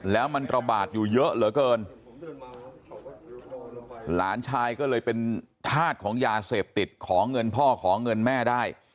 แล้วมันระบาดอยู่เยอะเหลือเกินหลานชายก็เลยเป็นธาตุของยาเสพติดขอเงินพ่อขอเงินแม่ได้